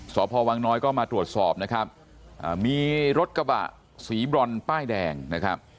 สพวังน้อยก็มาตรวจสอบนะครับมีรถกระบะสีบรอนป้ายแดงนะครับ